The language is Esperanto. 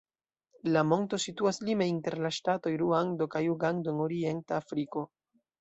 La monto situas lime inter la ŝtatoj Ruando kaj Ugando en orienta Afriko.